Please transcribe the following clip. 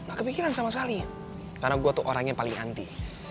gak kepikiran sama sekali karena gue tuh orang yang paling anti